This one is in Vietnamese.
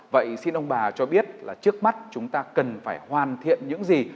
vậy xin ông bà cho biết là trước mắt chúng ta cần phải hoàn thiện những gì